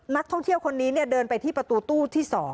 นักท่องเที่ยวคนนี้เดินไปที่ประตูตู้ที่๒